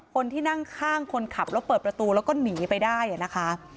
คนที่นั่งข้างคนขับแล้วเปิดประตูแล้วก็หนีไปได้นะคะ